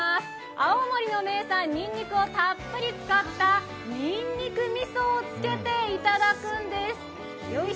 青森の名産、ニンニクをたっぷり使ったにんにくみそを付けていただくんです！